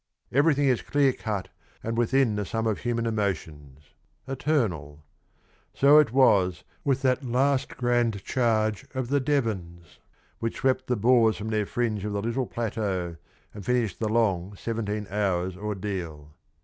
Everything is clear cut and within the sum of human emotions eternal. So it was with that last grand charge of the Devons, which swept the Boers from their fringe of the little plateau and finished the long seventeen hours' ordeal.